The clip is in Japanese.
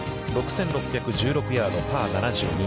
６６１６ヤード、パー７２。